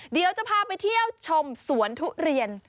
เดี๋ยวจะพาไปเที่ยวชมสวนทุเรียน